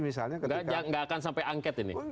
tidak akan sampai angket ini